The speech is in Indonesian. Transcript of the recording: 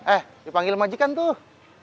eh dipanggil majikan tuh